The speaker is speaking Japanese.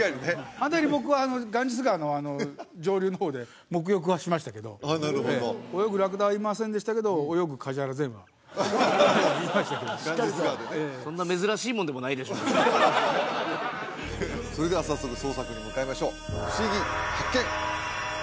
反対に僕はガンジス川の上流の方でもく浴はしましたけどああなるほど泳ぐラクダはいませんでしたけどいましたけどそれでは早速捜索に向かいましょうふしぎ発見！